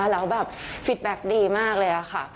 แล้วแบบฟิตแบ็คดีมากเลยค่ะ